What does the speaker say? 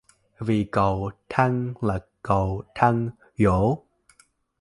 Vì cầu thang là cầu thang gỗ